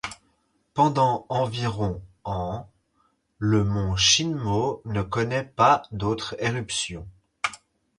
Pendant environ ans, le mont Shinmoe ne connait pas d'autre éruption.